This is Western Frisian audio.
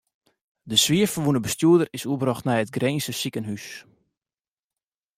De swier ferwûne bestjoerder is oerbrocht nei it Grinzer sikehús.